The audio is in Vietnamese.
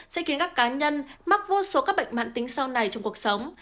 sẽ khiến các cá nhân mắc vô số các bệnh mạng tính sau này trong cuộc sống